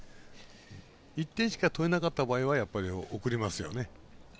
１点しか取れなかった場合は送りますよね。